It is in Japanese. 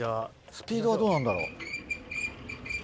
スピードはどうなんだろう？